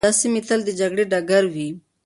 دا سیمي تل د جګړې ډګر وې.